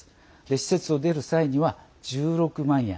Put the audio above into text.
施設を出る際には１６万円。